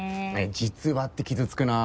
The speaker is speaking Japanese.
実はって傷つくなぁ。